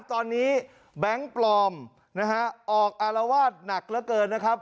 ตอนนี้แบงค์ปลอมออกอารวาสหนักเกินนะครับ